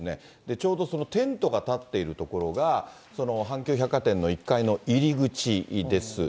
ちょうどそのテントが立っているところが、阪急百貨店の１階の入り口です。